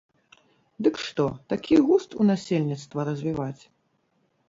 Дык што, такі густ у насельніцтва развіваць?